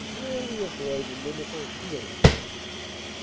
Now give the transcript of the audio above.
rarely avoid inimical feeling.